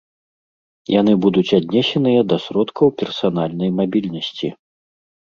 Яны будуць аднесеныя да сродкаў персанальнай мабільнасці.